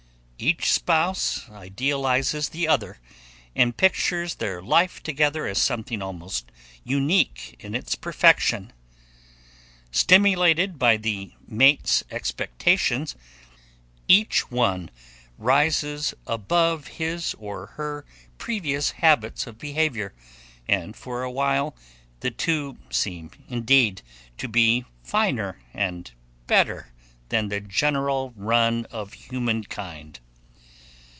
Each spouse idealizes the other and pictures their life together as something almost unique in its perfection. Stimulated by the mate's expectations, each one rises about his or her previous habits of behavior, and for a while the two seem indeed to be finer and better than the general run of humankind.